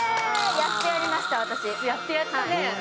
やってやりました、やってやったね。